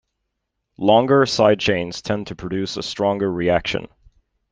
Longer side chains tend to produce a stronger reaction.